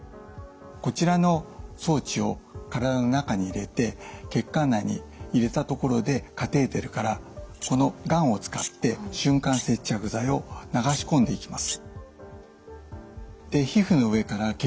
こちらの装置を体の中に入れて血管内に入れたところでカテーテルからこのガンを使って瞬間接着剤を流し込んでいきます。